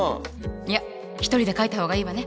いや一人で描いた方がいいわね。